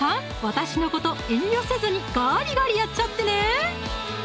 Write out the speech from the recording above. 私のこと遠慮せずにガーリガリやっちゃってね！